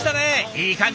いい感じ。